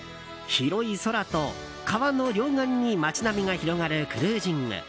広い空と川の両岸に街並みが広がるクルージング。